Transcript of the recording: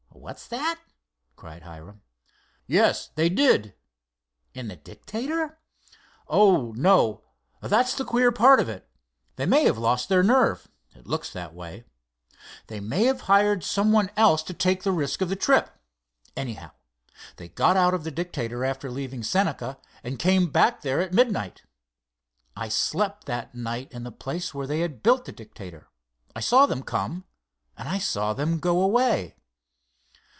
"What's that?" cried Hiram. "Yes, they did." "In the Dictator?" "Oh, no, and that's the queer part of it. They may have lost their nerve—it looks that way. They may have hired someone else to take the risk of the trip. Anyhow, they got out of the Dictator after leaving Senca, and came back there at midnight. I slept that night in the place where they had built the Dictator. I saw them come, I saw them go away."